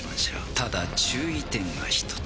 ただ注意点が一つ。